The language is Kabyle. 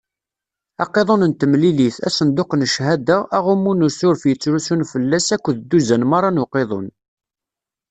Aqiḍun n temlilit, asenduq n cchada, aɣummu n usuref yettrusun fell-as akked dduzan meṛṛa n uqiḍun.